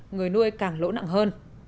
người nuôi càng lỗ nặng hơn